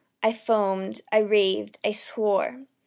I foamed I raved I swore!